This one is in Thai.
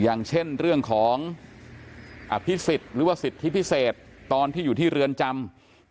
อย่างเช่นเรื่องของอภิษฎหรือว่าสิทธิพิเศษตอนที่อยู่ที่เรือนจำ